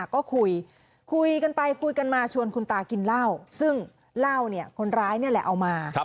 ก็คุยคุยกันไปคุยกันมาชวนคุณตากินเหล้าซึ่งเหล้าคนร้ายนี่แหละเอามา